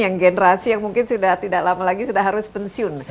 yang generasi yang mungkin sudah tidak lama lagi sudah harus pensiun